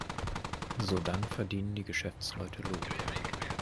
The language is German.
Sodann verdienen die Geschäftsleute Lob.